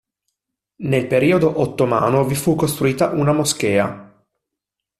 Nel periodo ottomano vi fu costruita una moschea.